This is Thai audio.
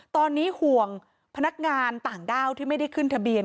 ตอนนี้ห่วงพนักงานต่างด้าวที่ไม่ได้ขึ้นทะเบียน